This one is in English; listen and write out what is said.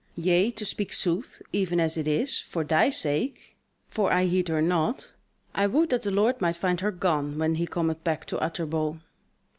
Yea, to speak sooth, even as it is, for thy sake (for her I heed naught) I would that the lord might find her gone when he cometh back to Utterbol."